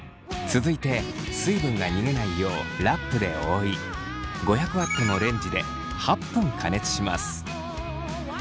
続いて水分が逃げないようラップで覆い５００Ｗのレンジで８分加熱します。